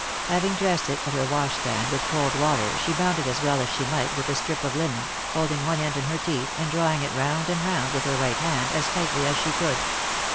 Having dressed it at her wash stand with cold water she bound it as well as she might with a strip of linen, holding one end in her teeth, and drawing it round and round with her right hand, as tightly as she could.